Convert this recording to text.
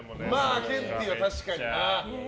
ケンティーは確かにな。